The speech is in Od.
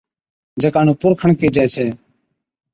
جڪا نُون پُرکَڻ ڪيهجَي ڇَي